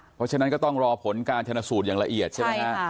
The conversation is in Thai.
เพราะฉะนั้นก็ต้องรอผลการชนะสูตรอย่างละเอียดใช่ไหมฮะ